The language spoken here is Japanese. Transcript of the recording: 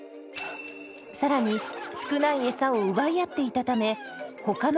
更に少ない餌を奪い合っていたためほかの犬を敵視。